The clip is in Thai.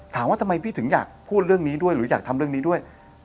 ถามว่าทำไมพี่ถึงอยากพูดเรื่องนี้ด้วยหรืออยากทำเรื่องนี้ด้วย